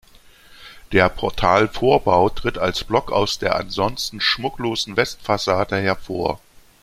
Der Portalvorbau tritt als Block aus der ansonsten schmucklosen Westfassade hervor.